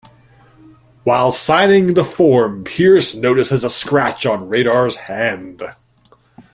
While signing the form, Pierce notices a scratch on Radar's hand.